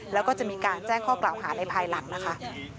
แล้วก็จะมีการแจ้งข้อกล่าวหาในภายหลังนะคะ